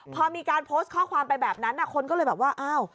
พอมีการโพสต์ข้อความไปแบบนั้นคนก็เลยแบบว่าอ้าว